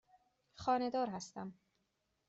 خانه دار هستم.